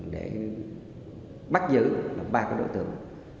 để bắt giữ ba đối tượng